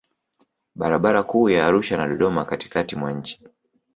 Barabara kuu ya Arusha na Dodoma katikatikati mwa nchi